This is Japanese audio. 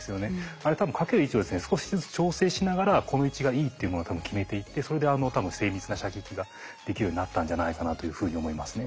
あれ多分掛ける位置をですね少しずつ調整しながらこの位置がいいっていうものを多分決めていってそれであの精密な射撃ができるようになったんじゃないかなというふうに思いますね。